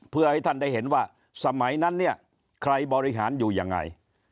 เพื่อให้ท่านได้เห็นว่าสมัยนั้นเนี่ยใครบริหารอยู่ยังไง